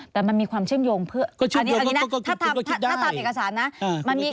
แต่มันมีความเชื่อมโยงเพื่อถ้าตามเอกสารนะก็เชื่อมโยงก็คิดได้